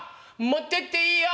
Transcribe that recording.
持ってっていいよ！」。